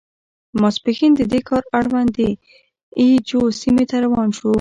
ماسپښین د دې ښار اړوند د اي جو سیمې ته روان شوو.